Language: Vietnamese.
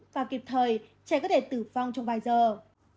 và kịp thời trẻ có thể tử vong trong vài giờ